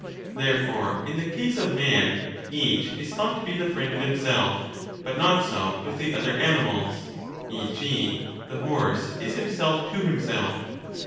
Therefore in the case of man each is thought r.'^.'v*^^^^ to be the friend of himself; but not so with the other animals ; e. g. the horse is himself to himself